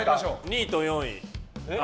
２位と４位。